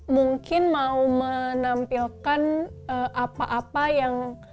mungkin mau menampilkan apa apa yang